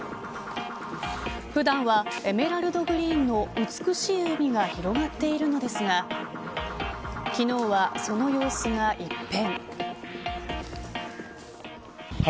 普段はエメラルドグリーンの美しい海が広がっているのですが昨日はその様子が一変。